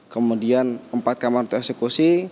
kemudian empat kamar untuk eksekusi